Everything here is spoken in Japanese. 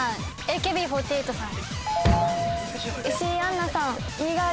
ＨＫＴ４８さん。